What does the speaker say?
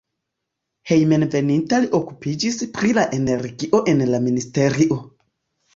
Hejmenveninta li okupiĝis pri la energio en la ministerio.